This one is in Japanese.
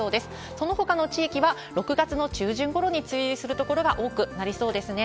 そのほかの地域は、６月の中旬ごろに梅雨入りする所が多くなりそうですね。